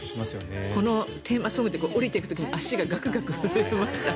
このテーマソングで下りていく時に足ががくがく震えてました。